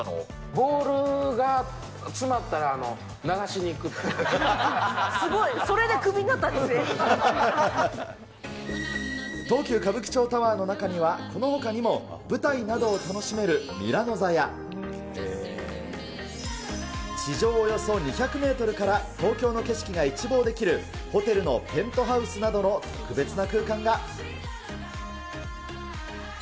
ボールが詰まったら、すごい、それでクビになった東急歌舞伎町タワーの中にはこのほかにも、舞台などを楽しめるミラノザや、地上およそ２００メートルから東京の景色が一望できるホテルのペ東急歌舞伎町タワーを大調査。